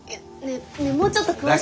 ねえもうちょっと詳しく。